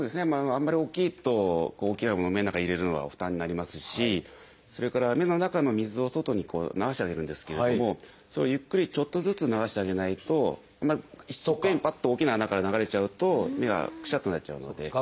あんまり大きいと大きなものを目の中入れるのは負担になりますしそれから目の中の水を外に流してあげるんですけれどもゆっくりちょっとずつ流してあげないとパッと大きな穴から流れちゃうと目がクシャッとなっちゃうので。